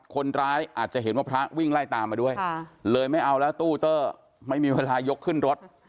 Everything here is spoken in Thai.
คนร้ายอาจจะเห็นว่าพระวิ่งไล่ตามมาด้วยเลยไม่เอาแล้วตู้เตอร์ไม่มีเวลายกขึ้นรถ